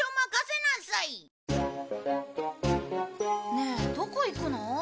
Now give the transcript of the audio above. ねえどこ行くの？